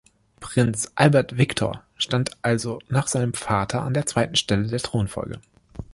Prinz Albert Victor stand also nach seinem Vater an der zweiten Stelle der Thronfolge.